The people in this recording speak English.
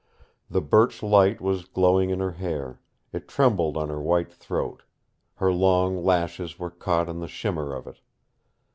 The birch light was glowing in her hair; it trembled on her white throat; her long lashes were caught in the shimmer of it.